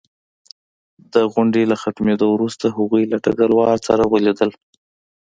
د غونډې له ختمېدو وروسته هغوی له ډګروال سره ولیدل